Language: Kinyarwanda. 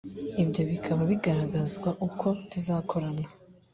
ibyo bikaba bigaragazwa uko tuzakorana